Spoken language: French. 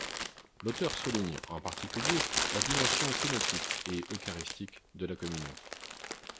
L'auteur souligne en particulier la dimension kénotique et eucharistique de la communication.